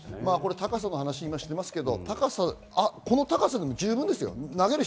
高さの話してますけど、この高さでも十分ですよ。